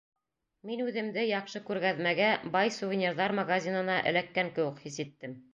Мин үҙемде яҡшы күргәҙмәгә, бай сувенирҙар магазинына эләккән кеүек хис иттем.